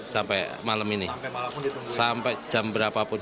sampai malam ini sampai jam berapapun